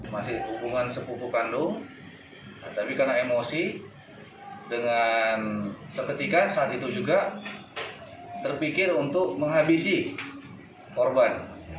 masih hubungan sepupu kandung tapi karena emosi dengan seketika saat itu juga terpikir untuk menghabisi korban